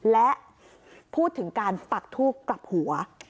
และพูดถึงการปักทูบกลับหัว